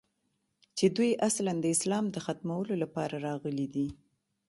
چې دوى اصلاً د اسلام د ختمولو لپاره راغلي دي.